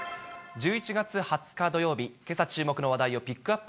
１１月２０日土曜日、けさ注目の話題をピックアップ。